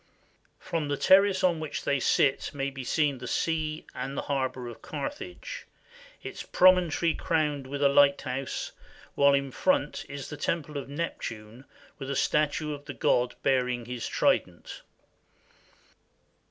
From the terrace on which they sit may be seen the sea and the harbor of Carthage, its promontory crowned with a lighthouse, while in front is a temple of Neptune with a statue of the god bearing his trident.